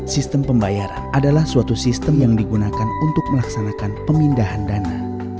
sistem pembayaran adalah suatu sistem yang digunakan untuk melaksanakan pemindahan dana